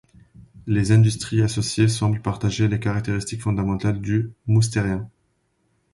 Les industries associées semblent partager les caractéristiques fondamentales du Moustérien.